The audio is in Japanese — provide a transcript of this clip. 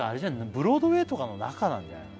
ブロードウェイとかの中なんじゃないの？